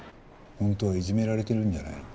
本当はいじめられてるんじゃないの？